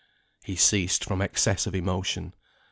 He ceased from excess of emotion.